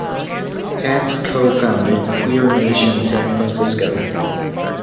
Katz co-founded Queer Nation San Francisco.